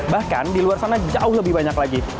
bahkan di luar sana jauh lebih banyak lagi